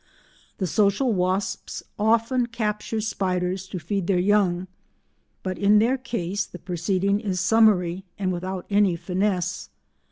The social wasps often capture spiders to feed their young but in their case the proceeding is summary and without any finesse.